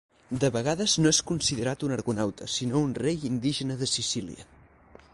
De vegades no és considerat un argonauta, sinó un rei indígena de Sicília.